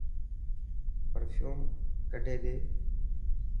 پرفيوم ڪڌي ڏي.